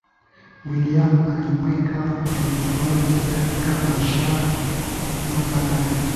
william alimweka binti yake katika mashua namba nne